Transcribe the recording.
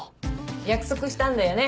約束したんだよね。